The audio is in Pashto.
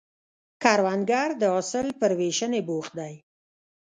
کروندګر د حاصل پر ویشنې بوخت دی